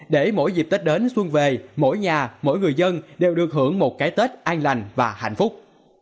để mỗi dịp tết đến xuân về mỗi nhà mỗi người dân đều được hưởng một cái tết an lành và hạnh phúc